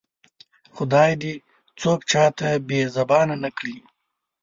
خدای دې څوک چاته بې زبانه نه کړي